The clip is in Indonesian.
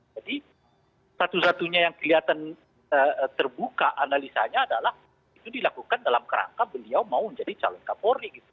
jadi satu satunya yang kelihatan terbuka analisanya adalah itu dilakukan dalam kerangka beliau mau jadi calon kapolri gitu